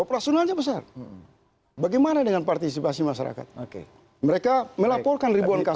operasionalnya besar bagaimana dengan partisipasi masyarakat oke mereka melaporkan ribuan kasus